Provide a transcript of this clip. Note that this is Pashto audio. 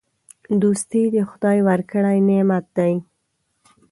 دوستي د خدای ورکړی نعمت دی.